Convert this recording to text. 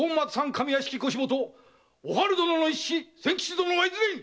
上屋敷腰元・おはる殿の一子千吉殿はいずれに？